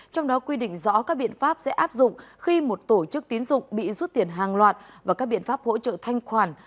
trong đó quy định rõ các biện pháp sẽ áp dụng khi một tổ chức tín dụng bị rút tiền hàng loạt và các biện pháp hỗ trợ thanh khoản